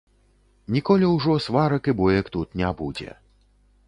Ніколі ўжо сварак і боек тут не будзе.